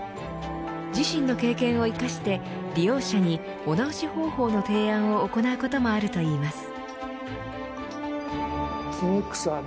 自身の経験を生かして利用者にお直し方法の提案を行うこともあるといいます。